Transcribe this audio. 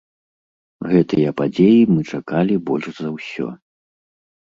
Гэтай падзеі мы чакалі больш за ўсё.